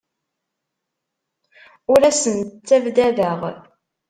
Ur asen-ttabdadeɣ.